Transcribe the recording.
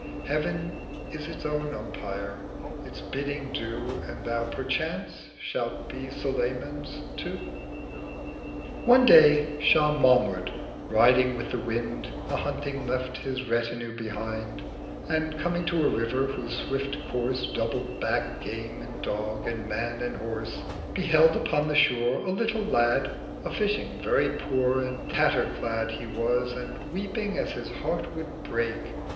Heav'n its own Umpire is; its Bidding do, And Thou perchance shalt be Sulayman's too.' 150 One day Shah Mahmud, riding with the Wind A hunting, left his Retinue behind, And coming to a River, whose swift Course Doubled back Game and Dog, and Man and Horse, Beheld upon the Shore a little Lad A fishing, very poor, and Tatter clad He was, and weeping as his Heart would break.